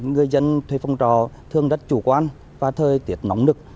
người dân thuê phòng trò thường rất chủ quan và thời tiết nóng nực